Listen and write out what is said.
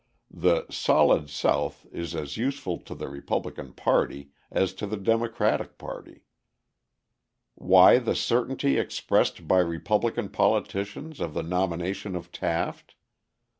The "Solid South" is as useful to the Republican party as to the Democratic party. Why the certainty expressed by Republican politicians of the nomination of Taft?